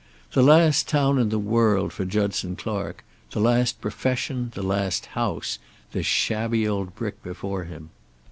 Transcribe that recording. The last town in the world for Judson Clark, the last profession, the last house, this shabby old brick before him.